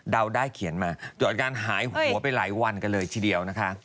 ได้เขียนมาเกิดอาการหายหัวไปหลายวันกันเลยทีเดียวนะคะ